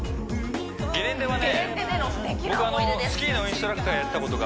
ゲレンデはね